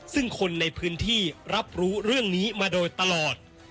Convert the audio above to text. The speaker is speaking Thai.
ซึ่งคนในพื้นที่รับรู้เรื่องนี้มาโดยตลอด